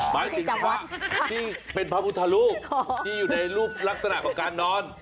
หมายถึงพระที่เป็นพระพุทธรูปที่อยู่ในรูปลักษณะของการนอน